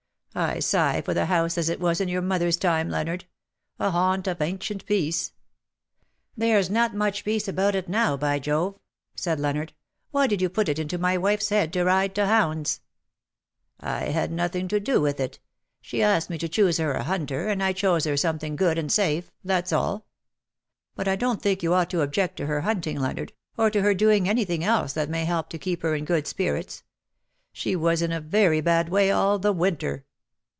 I sigh for the AU COUP DU PELERIN \" 139 house as it was in your mother^'s time^ Leonard. 'A haunt of ancient peace/ ''" There's not much peace about it now, by Jove/'' said Leonard. " Why did you put it into my wife's head to ride to hounds T' " I had nothing to do with it. She asked me to choose her a hunter, and I chose her something good and safe, that^s alL But I don't think you ought to object to her hunting, Leonard, or to her doing anything else that may help to keep her in good spirits. She was in a very bad way all the winter.'